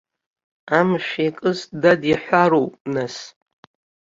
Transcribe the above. Амшә иакыз дад иҳәароуп нас.